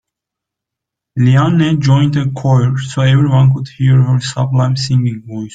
Leanne joined a choir so everyone could hear her sublime singing voice.